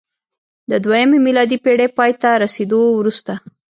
د دویمې میلادي پېړۍ پای ته رسېدو وروسته